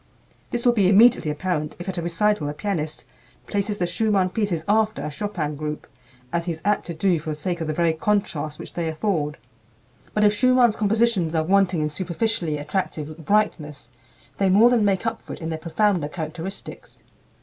This will be immediately apparent if at a recital a pianist places the Schumann pieces after a Chopin group, as he is apt to do for the sake of the very contrast which they afford. But if Schumann's compositions are wanting in superficially attractive brightness, they more than make up for it in their profounder characteristics.